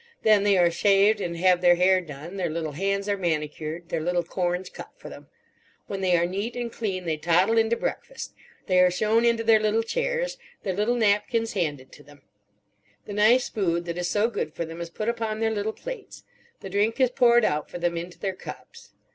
Then they are shaved and have their hair done; their little hands are manicured, their little corns cut for them. When they are neat and clean, they toddle into breakfast; they are shown into their little chairs, their little napkins handed to them; the nice food that is so good for them is put upon their little plates; the drink is poured out for them into their cups.